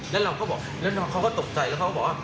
แล้วเราก็บอกแล้วน้องเขาก็ตกใจแล้วเขาก็บอกว่า